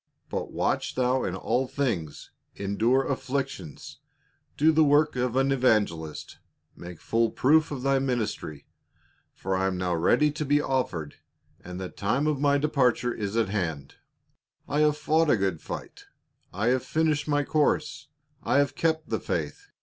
But watch thou in all things, endure afflictions, do the work of an evangelist, make full proof of thy ministry. For I am now ready to be offered, and the time of my departure is at hand. I 29 450 I'A UL. have fought a good fight, I have finished my course, I have kept the faith.